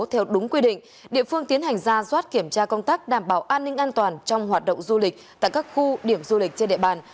theo đúng quy định địa phương tiến hành ra soát kiểm tra công tác đảm bảo an ninh an toàn trong hoạt động du lịch tại các khu điểm du lịch trên địa bàn